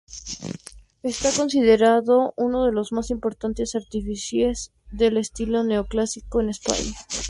Está considerado uno de los más importantes artífices del estilo Neoclásico en España.